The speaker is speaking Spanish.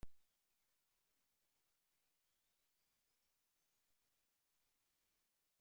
Aquí consigue trabajo como traductor de la Unesco.